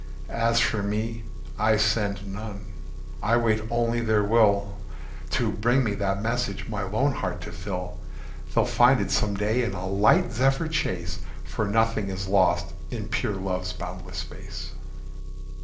As for me, I send none. I wait only their will To bring me that message my lone heart to fill. They'll find it some day in a light zephyr chase, For nothing is lost in pure love's boundless space.